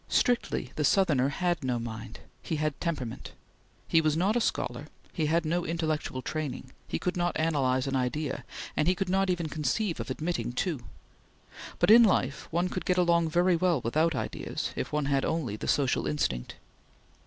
Strictly, the Southerner had no mind; he had temperament. He was not a scholar; he had no intellectual training; he could not analyze an idea, and he could not even conceive of admitting two; but in life one could get along very well without ideas, if one had only the social instinct.